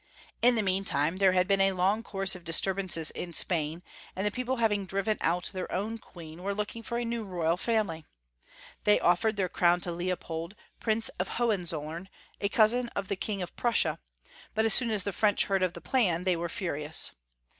In the meantime there had been a long course of disturbances in Spain, and the people having driven out their own queen, were looking for a new royal family. They offered their crown to Leopold, Prince of Hohenzollern, a cousin of the King of Prussia ; but as soon as the French heard of the plan, they were furious.